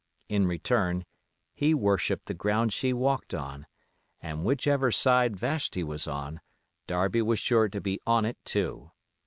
In return, he worshipped the ground she walked on, and whichever side Vashti was on, Darby was sure to be on it too.